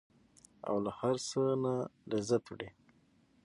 او له هر څه نه لذت وړي.